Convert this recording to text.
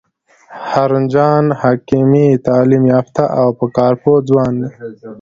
هارون جان حکیمي تعلیم یافته او په کار پوه ځوان دی.